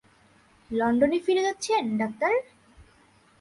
লন্ডনে ফিরে যাচ্ছেন, ডাক্তার?